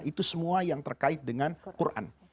itu semua yang terkait dengan quran